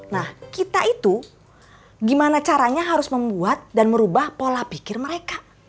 nah kita itu gimana caranya harus membuat dan merubah pola pikir mereka